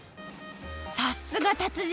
さっすが達人！